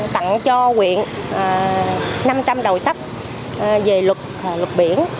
tặng cho huyện năm trăm linh đầu sách về luật biển